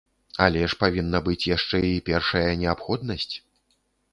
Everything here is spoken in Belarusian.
Але ж павінна быць яшчэ і першая неабходнасць.